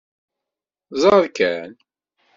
Ẓeṛ kan.